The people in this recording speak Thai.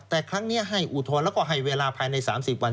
แต่ครั้งนี้ให้อุทธรณ์แล้วก็ให้เวลาภายใน๓๐วัน